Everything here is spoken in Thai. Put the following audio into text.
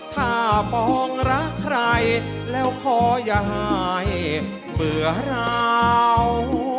ถ้าปองรักใครแล้วขอยายเบื่อราว